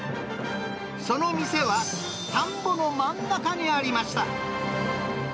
その店は、田んぼの真ん中にありました。